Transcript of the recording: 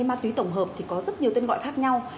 ma túy tổng hợp thì có rất nhiều tên gọi khác nhau